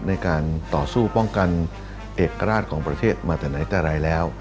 ในการต่อสู้ป้องกันเอกราชของประเทศมาแต่ไหนแต่ไรแล้ว